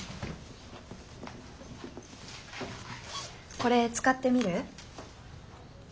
これ使ってみる？